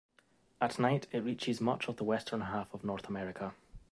At night, it reaches much of the western half of North America.